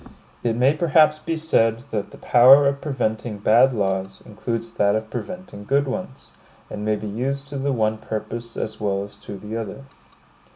It may perhaps be said that the power of preventing bad laws includes that of preventing good ones; and may be used to the one purpose as well as to the other.